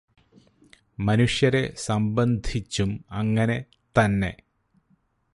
മനുഷ്യരെ സംബന്ധിച്ചും അങ്ങനെത്തന്നെ